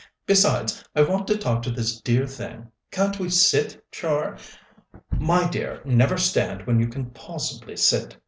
Besides, I want to talk to this dear thing. Can't we sit, Char? My dear, never stand when you can possibly sit.